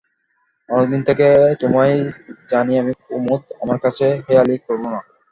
অনেকদিন থেকে তোমায় জানি আমি কুমুদ, আমার কাছে হেঁয়ালি কোরো না।